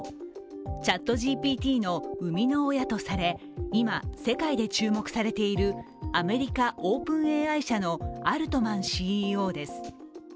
ＣｈａｔＧＰＴの生みの親とされ今、世界で注目されているアメリカ、ＯｐｅｎＡＩ社のアルトマンＣＥＯです。